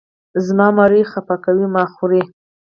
زما مرۍ خپه کوې او ما خورې.